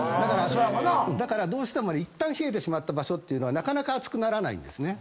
だからいったん冷えてしまった場所というのはなかなか熱くならないんですね。